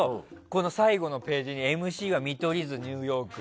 この最後のページにＭＣが見取り図、ニューヨーク